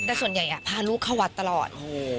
แต่ส่วนใหญ่พาลูกเข้าวัดตลอด